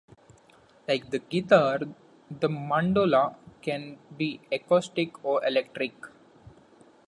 Like the guitar, the mandola can be acoustic or electric.